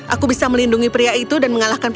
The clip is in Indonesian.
aku bisa melindungi pria itu dan mengalahkan